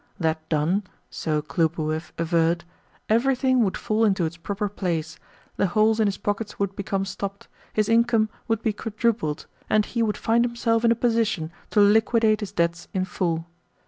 That done (so Khlobuev averred), everything would fall into its proper place, the holes in his pockets would become stopped, his income would be quadrupled, and he would find himself in a position to liquidate his debts in full.